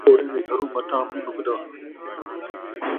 مکوڑیاں دے گھروں متام نئیں مُکدا